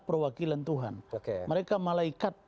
perwakilan tuhan mereka malaikat